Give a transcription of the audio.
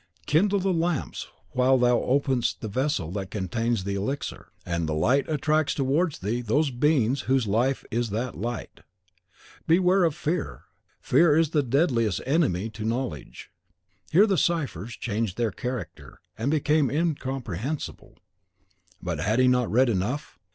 Kindle the lamps while thou openst the vessel that contains the elixir, and the light attracts towards thee those beings whose life is that light. Beware of Fear. Fear is the deadliest enemy to Knowledge." Here the ciphers changed their character, and became incomprehensible. But had he not read enough?